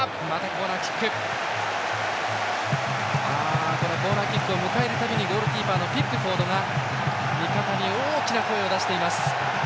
コーナーキックを迎える度にゴールキーパーのピックフォードが味方に大きな声を出しています。